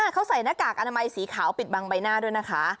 เขาใส่หน้ากากอนามัยสีขาวปิดบังใบหน้าด้วยนะคะ